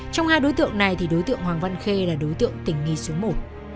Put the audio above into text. trong hai đối tượng này thì đối tượng hoàng văn khê là đối tượng tỉnh nghi số một